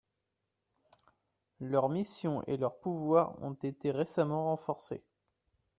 Leurs missions et leurs pouvoirs ont été récemment renforcés.